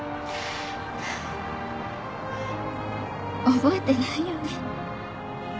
覚えてないよね。